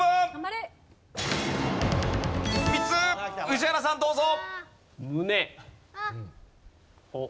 宇治原さんどうぞ。